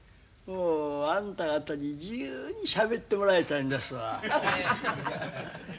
もうあんた方に自由にしゃべってもらいたいんですわ。